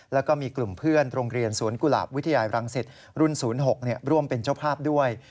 แล้วก็มีกลุ่มเพื่อนโรงเรียนสวนกุหลาบวิทยารังสิตรุ่น๐๖ร่วมเป็นเจ้าภาพด้วย